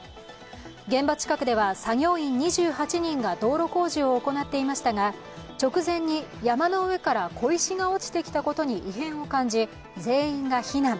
現場近くでは作業員２８人が道路工事を行っていましたが、直前に山の上から小石が落ちてきたことに異変を感じ全員が避難。